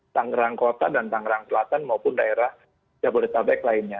tangerang kota dan tangerang selatan maupun daerah jabodetabek lainnya